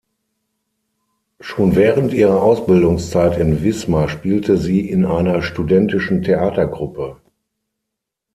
Schon während ihrer Ausbildungszeit in Wismar spielte sie in einer studentischen Theatergruppe.